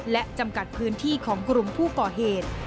และจำกัดพื้นที่ของกลุ่มผู้ก่อเหตุ